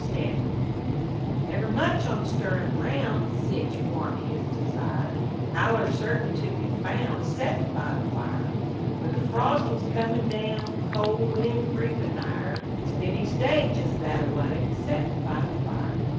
STANTON Never much on stirrin' roun' (Sich warn't his desire), Allers certain to be foun' Settin' by the fire. When the frost wuz comin' down Col' win' creepin' nigher, Spent each day jest thataway Settin' by the fire.